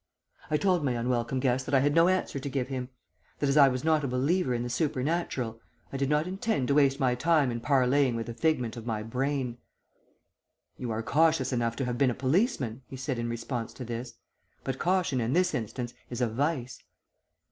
"I told my unwelcome guest that I had no answer to give him; that, as I was not a believer in the supernatural, I did not intend to waste my time in parleying with a figment of my brain. "'You are cautious enough to have been a policeman,' he said in response to this. 'But caution in this instance is a vice.'